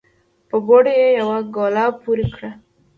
په بوړ يې يوه ګوله پورې کړه